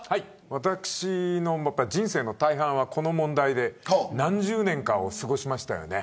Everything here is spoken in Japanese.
私の人生の大半は、この問題で何十年かを過ごしましたよね。